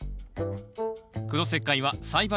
苦土石灰は栽培